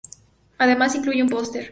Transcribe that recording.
Además, incluye un póster.